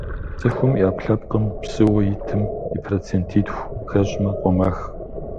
Цӏыхум и ӏэпкълъэпкъым псыуэ итым и процентитху хэщӏмэ къомэх.